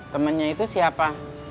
temennya itu siapa